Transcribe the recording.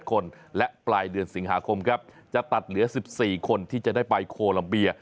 คนและปลายเดือนสิงหาคมครับจะตัดเหลือ๑๔คนที่จะได้ไปโคลัมเบีย